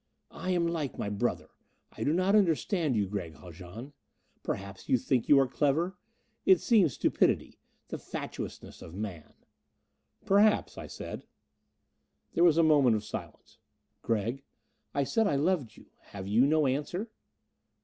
"I am like my brother: I do not understand you, Gregg Haljan. Perhaps you think you are clever? It seems stupidity, the fatuousness of man!" "Perhaps," I said. There was a moment of silence. "Gregg, I said I loved you. Have you no answer?"